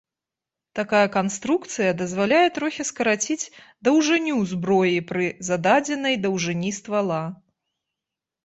Такая канструкцыя дазваляе трохі скараціць даўжыню зброі пры зададзенай даўжыні ствала.